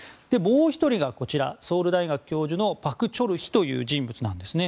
もう１人がソウル大学教授のパク・チョルヒという人物。